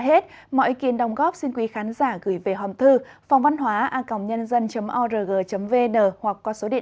hẹn gặp lại các bạn trong các chương trình sau